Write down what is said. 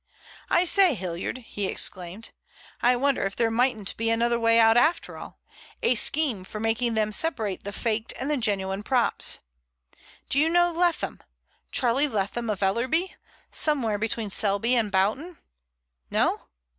"I say, Hilliard," he exclaimed. "I wonder if there mightn't be another way out after all—a scheme for making them separate the faked and the genuine props? Do you know Leatham—Charlie Leatham of Ellerby, somewhere between Selby and Boughton? No?